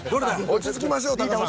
落ち着きましょうタカさん。